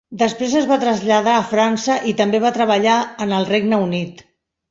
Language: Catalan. Després es va traslladar a França, i també va treballar en el Regne Unit.